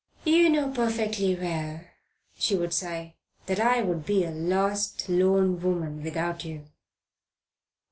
"You know perfectly well," she would sigh, "that I would be a lost, lone woman without you."